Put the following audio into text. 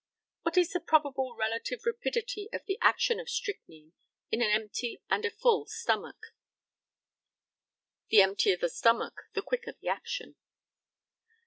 What is the probable relative rapidity of the action of strychnine in an empty and a full stomach? The emptier the stomach the quicker the action.